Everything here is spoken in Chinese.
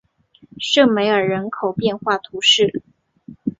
圣梅尔人口变化图示